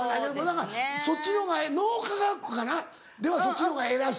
だからそっちの方が脳科学かなではそっちの方がええらしい。